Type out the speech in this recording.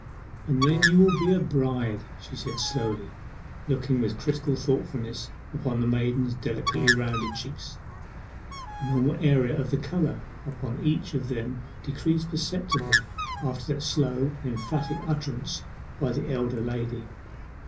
'And then you will be a bride!' she said slowly, looking with critical thoughtfulness upon the maiden's delicately rounded cheeks. The normal area of the colour upon each of them decreased perceptibly after that slow and emphatic utterance by the elder lady.